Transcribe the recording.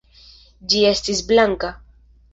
Ĝi estis blanka.